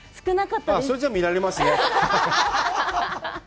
それじゃ、見られますね！